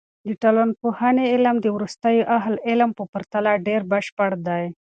د ټولنپوهنې علم د وروستیو اهل علم په پرتله ډېر بشپړ دی.